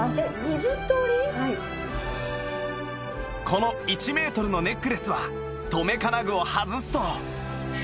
この１メートルのネックレスは留め金具を外すと